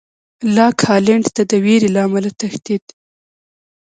لاک هالېنډ ته د وېرې له امله تښتېد.